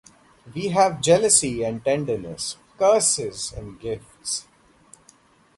We have jealousy and tenderness, curses and gifts.